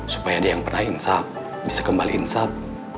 supaya dia yang pernah insap bisa kembali insap